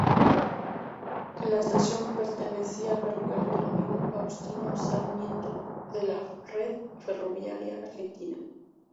La estación pertenecía al Ferrocarril Domingo Faustino Sarmiento de la red ferroviaria argentina.